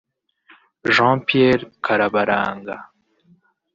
Jean Pierre Karabaranga